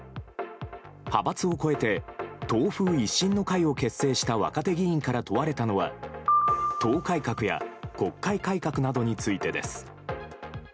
派閥を超えて党風一新の会を結成した若手議員から問われたのは党改革や国会改革などについてです。